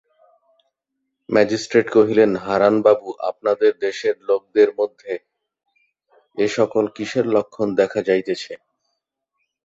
Magistrate কহিলেন, হারানবাবু, আপনাদের দেশের লোকদের মধ্যে এ-সকল কিসের লক্ষণ দেখা যাইতেছে?